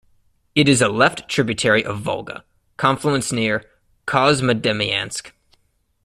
It is a left tributary of Volga, confluence near Kozmodemyansk.